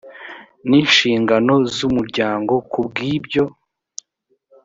n inshinganzo z umuryango ku bw ibyo